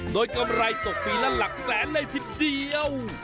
โดยกำไรตกปีละหลักแสนเลยทีเดียว